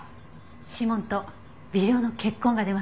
指紋と微量の血痕が出ました。